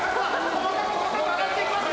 細かく細かく上がっていきます！